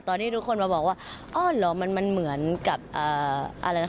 ตอนนี้ทุกคนมาบอกว่าอ้อนเหรอมันมันเหมือนกับอะไรนะ